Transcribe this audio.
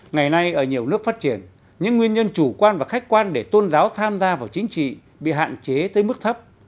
ngày nay ở nhiều nước phát triển những nguyên nhân chủ quan và khách quan để tôn giáo tham gia vào chính trị bị hạn chế tới mức thấp